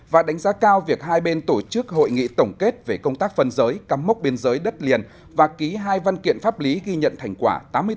và đánh giá cao việc hai bên tổ chức hội nghị tổng kết về công tác phân giới cắm mốc biên giới đất liền và ký hai văn kiện pháp lý ghi nhận thành quả tám mươi bốn